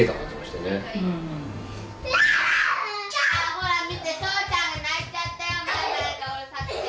ほら見て荘ちゃん泣いちゃったよ。うるさくて。